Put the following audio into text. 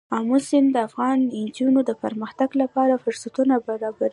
آمو سیند د افغان نجونو د پرمختګ لپاره فرصتونه برابروي.